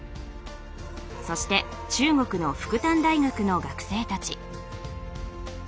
そして中国の復旦大学の学生たち。